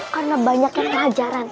karena banyaknya pelajaran